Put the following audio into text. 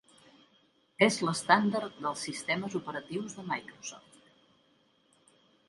És l'estàndard dels sistemes operatius de Microsoft.